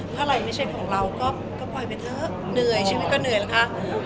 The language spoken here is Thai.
อะไรไม่ใช่ของเราก็ปล่อยไปเถอะเหนื่อยชีวิตก็เหนื่อยแล้วค่ะ